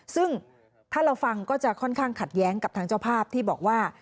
ซึ่งถ้าเราฟังก็จะค่อนข้างขัดแย้งกับทางเจ้าภาพที่บอกว่า